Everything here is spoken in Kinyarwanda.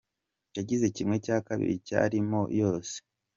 Agize kimwe cya kabiri cy’arimo yose.